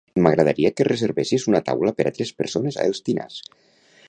M'agradaria que reservessis una taula per a tres persones a Els Tinars.